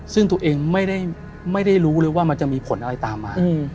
ซึ่งตัวเองไม่ได้รู้เลยว่ามันจะมีผลอะไรตามมา